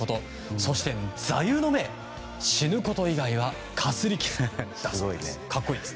そして座右の銘、死ぬこと以外はかすり傷だそうです。